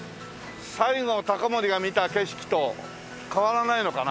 西郷隆盛が見た景色と変わらないのかな？